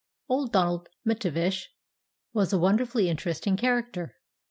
* Old Donald M'Tavish was a wonderfully interesting character.